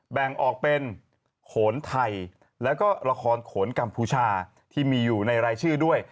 แบ่งออกเป็นโขนไทยแล้วก็ละครโขนกัมพูชาที่มีอยู่ในรายชื่อด้วย